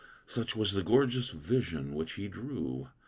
Such was the gorgeous vision which he drew.